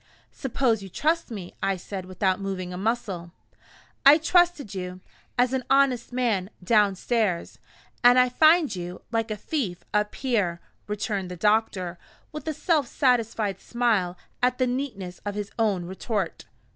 "Suppose you trust me?" I said, without moving a muscle. "I trusted you, as an honest man, downstairs, and I find you, like a thief, up here," returned the doctor, with a self satisfied smile at the neatness of his own retort.